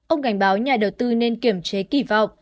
ông cảnh báo nhà đầu tư nên kiểm chế kỳ vọng